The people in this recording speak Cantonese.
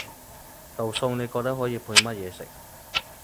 道餸你覺得可以配乜嘢食？